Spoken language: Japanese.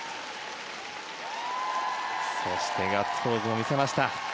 そしてガッツポーズを見せました。